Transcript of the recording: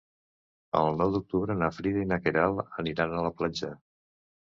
El nou d'octubre na Frida i na Queralt aniran a la platja.